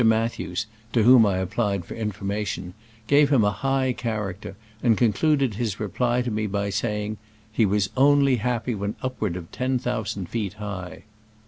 Mathews (to whom I applied for information) gave him a high character, and concluded his repiy to me by saying "he was only happy when upward of ten thousand feet high."